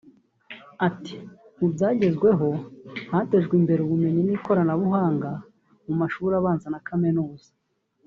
Ati “Mu byagezweho hatejwe imbere ubumenyi n’Ikoranabuhanga mu mashuri abanza na Kaminuza